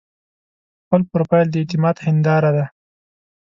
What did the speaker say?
خپل پروفایل د اعتماد هنداره ده.